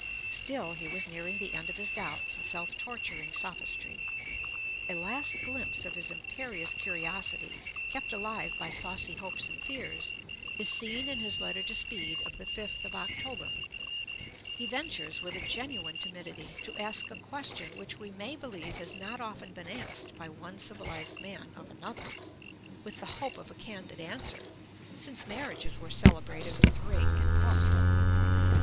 Still, he was nearing the end of his doubts and self torturing sophistry. A last glimpse of his imperious curiosity, kept alive by saucy hopes and fears, is seen in his letter to Speed of the 5th of October. He ventures, with a genuine timidity, to ask a question which we may believe has not often been asked by one civilized man of another, with the hope of a candid answer, since marriages were celebrated with ring and book.